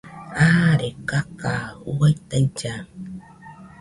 Aare kakaja juaɨ tailla